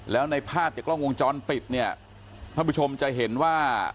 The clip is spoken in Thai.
แล้วในภาพจากล้องวงจรปิดแท้ผู้ชมจะเห็นว่า